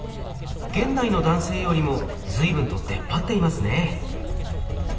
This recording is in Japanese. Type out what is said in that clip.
現代の男性よりも随分と出っ張っていますね。